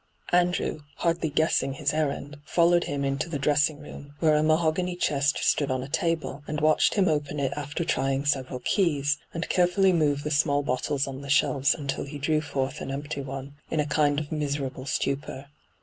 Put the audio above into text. Andrew, hardly guessing his errand, fol lowed him into the dressing room, where a mahogany chest stood on a table, and watched him open it after trying several keys, and carefully move the small bottles on the shelves until he drew forth an empty one, in a kind of miserable stupor.